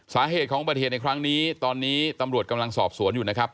สาเหตุของอุบัติเหตุในครั้งนี้ตอนนี้ตำรวจกำลังสอบสวนอยู่นะครับ